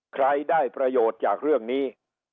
ใครได้ประโยชน์จากเรื่องนี้